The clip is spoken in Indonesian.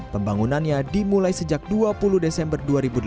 pembangunannya dimulai sejak dua puluh desember dua ribu delapan belas